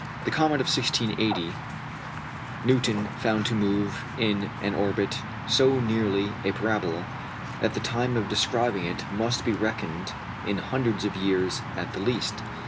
The comet of 1680, Newton found to move in an orbit so nearly a parabola that the time of describing it must be reckoned in hundreds of years at the least.